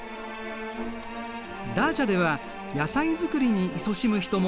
ダーチャでは野菜作りにいそしむ人も多い。